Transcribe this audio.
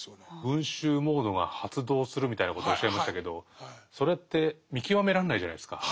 「群衆モードが発動する」みたいなことをおっしゃいましたけどそれって見極めらんないじゃないですか。